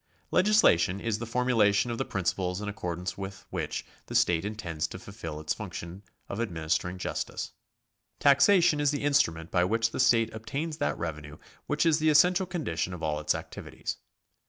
Legislation is the formulation of the principles in accordance with which the state intends to fulfil its function of adminis tering justice. Taxation is the instrument by which the state obtains that revenue which is the essential condition of all its activities.